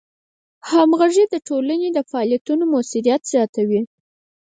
همغږي د ټولنې د فعالیتونو موثریت زیاتوي.